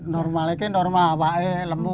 normalnya normal semuanya lembu